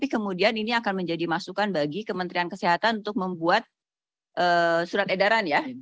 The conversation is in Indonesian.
kemudian ini akan menjadi masukan bagi kementerian kesehatan untuk membuat surat edaran ya